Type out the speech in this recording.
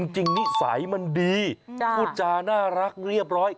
จริงนี่สายมันดีผู้จาน่ารักเรียบร้อย